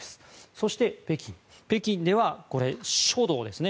そして北京では書道ですね。